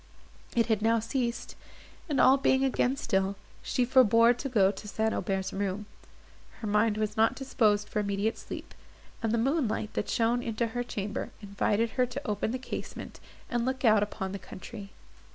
It had now ceased, and, all being again still, she forbore to go to St. Aubert's room. Her mind was not disposed for immediate sleep, and the moonlight, that shone into her chamber, invited her to open the casement, and look out upon the country.